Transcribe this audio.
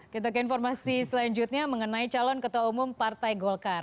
kita ke informasi selanjutnya mengenai calon ketua umum partai golkar